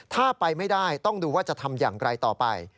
ถ้าไปไม่ได้ต้องดูว่าจะทำอย่างไรต่อไป